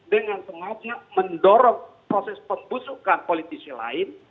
dengan sengaja mendorong proses pembusukan politisi lain